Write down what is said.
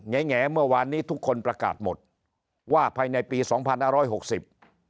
แงเมื่อวานนี้ทุกคนประกาศหมดว่าภายในปีสองพันห้าร้อยหกสิบ